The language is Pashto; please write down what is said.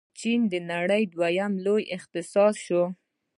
چین د نړۍ دویم لوی اقتصاد شو.